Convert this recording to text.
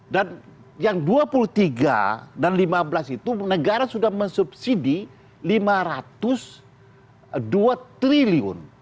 dan yang dua puluh tiga dan lima belas itu negara sudah mensubsidi lima ratus dua triliun